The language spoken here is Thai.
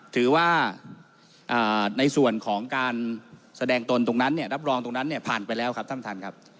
ถือว่าในส่วนของการแสดงตนตรงนั้นเนี่ยรับรองตรงนั้นเนี่ยผ่านไปแล้วครับท่านท่านครับ